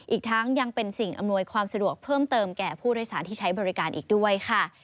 อีกทั้งยังเป็นสิ่งอำนวยความสะดวกเพิ่มเติมแก่ผู้โดยสารที่ใช้บริการอีกด้วยค่ะ